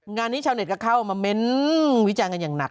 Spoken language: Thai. งานนี้ชาวเน็ตก็เข้ามาเม้นวิจารณ์กันอย่างหนัก